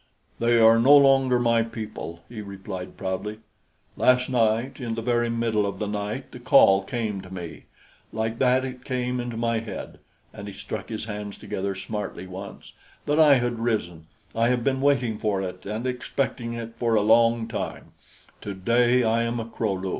"They are no longer my people," he replied proudly. "Last night, in the very middle of the night, the call came to me. Like that it came into my head" and he struck his hands together smartly once "that I had risen. I have been waiting for it and expecting it for a long time; today I am a Kro lu.